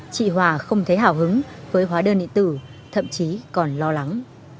chị hòa không thấy hào hứng với hóa đơn điện tử thậm chí còn lo lắng